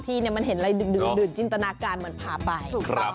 ที่เด็กวัดเล่นเหมือนกันเลย